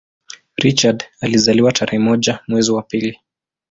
Richard alizaliwa tarehe moja mwezi wa pili